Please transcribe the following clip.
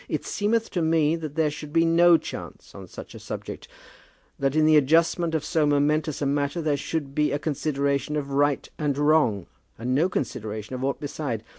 It seemeth to me that there should be no chance on such a subject; that in the adjustment of so momentous a matter there should be a consideration of right and wrong, and no consideration of aught beside.